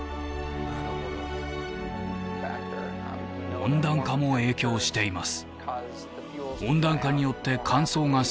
温暖化も影響しています